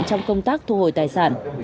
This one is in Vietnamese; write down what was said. trong công tác thu hồi tài sản